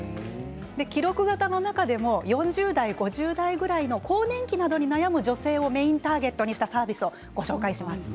記録型の中でも４０代、５０代くらいの更年期に悩む女性をメインターゲットにしたサービスをご紹介します。